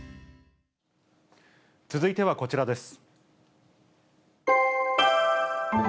続いてはこちらです。